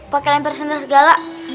pakai lemper senter segala